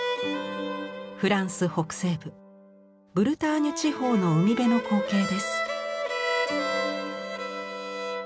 フランス北西部ブルターニュ地方の海辺の光景です。